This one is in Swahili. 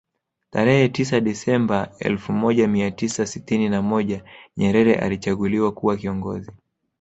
Tarehe tisa desamba elfu moja mia tisa sitini na moja Nyerere alichaguliwa kuwa kiongozi